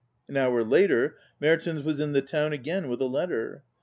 An hour later Hertens was in the town again with a letter.